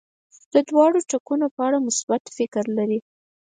د دواړو ټکو په اړه مثبت فکر لري.